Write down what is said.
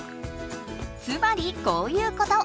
つまりこういうこと。